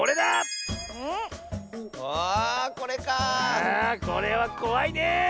ああこれはこわいねえ！